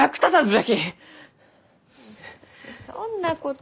そんなこと。